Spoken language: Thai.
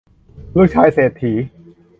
ลูกชายเศรษฐี